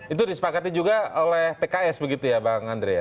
itu disepakati juga oleh pks begitu ya bang andre ya